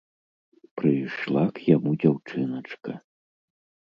Прыйшла к яму дзяўчыначка!